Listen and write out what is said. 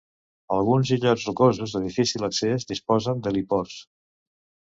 Alguns illots rocosos de difícil accés disposen d'heliports.